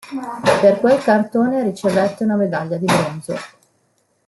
Per quel cartone ricevette una medaglia di bronzo.